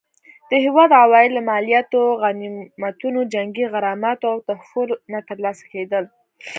د هیواد عواید له مالیاتو، غنیمتونو، جنګي غراماتو او تحفو نه ترلاسه کېدل.